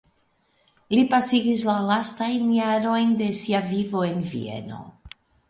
Li pasigis la lastajn jarojn de sia vivo en Vieno.